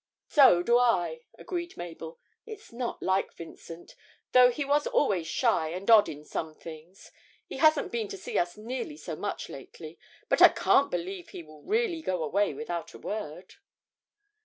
'So do I,' agreed Mabel. 'It's not like Vincent, though he was always shy and odd in some things. He hasn't been to see us nearly so much lately, but I can't believe he will really go away without a word.'